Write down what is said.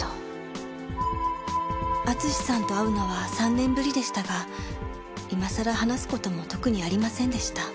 淳史さんと会うのは３年ぶりでしたが今さら話す事も特にありませんでした。